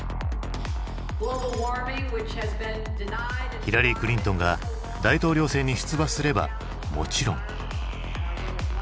ヒラリー・クリントンが大統領選に出馬すればもちろん。